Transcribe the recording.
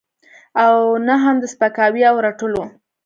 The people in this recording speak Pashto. او نه هم د سپکاوي او رټلو.